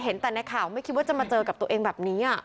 เห็นแต่ในข่าวไม่คิดว่าจะมาเจอกับตัวเองแบบนี้